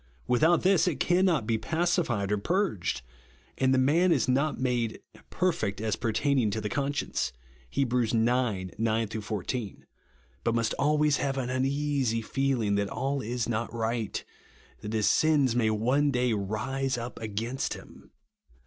Without this it can not be pacified or " purged ;" and the man is not made "perfect as pertaining to the conscience" (Heb. ix. 9 14) ; but must always have an uneasy feeUng that all is not right ; that his sins may one day rise up against him.